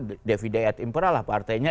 itu devideat impera lah partainya